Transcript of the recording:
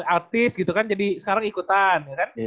artis gitu kan jadi sekarang ikutan